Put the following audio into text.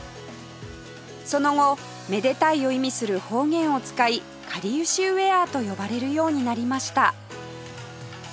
その後「めでたい」を意味する方言を使いかりゆしウェアと呼ばれるようになりました